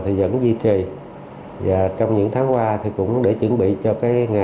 thì vẫn duy trì và trong những tháng qua thì cũng đều có thể thực hiện các mô hình nuôi cá bể màu